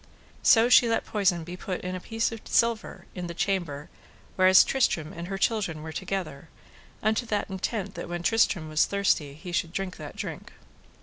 So she let poison be put in a piece of silver in the chamber whereas Tristram and her children were together, unto that intent that when Tristram were thirsty he should drink that drink.